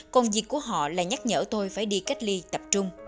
công việc của họ là nhắc nhở tôi phải đi cách ly tập trung